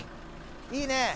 いいね。